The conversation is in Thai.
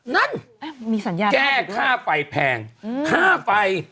นั้นแก้ค่าไฟแพงค่าไฟ